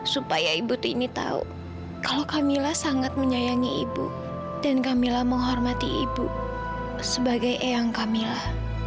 supaya ibu tini tahu kalau kamila sangat menyayangi ibu dan kamila menghormati ibu sebagai eyang kamila